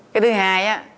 cái thứ hai